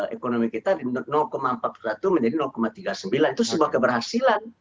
ekonomi kita di menurut empat puluh satu menjadi tiga puluh sembilan itu sebuah keberhasilan